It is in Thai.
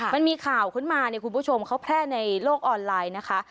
มันมีข่าวขึ้นมาเนี่ยคุณผู้ชมเขาแพร่ในโลกออนไลน์นะคะ